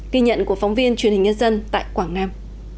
ghi nhận của phóng viên truyền hình nhân dân tại quảng nam